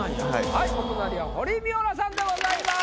はいお隣は堀未央奈さんでございます。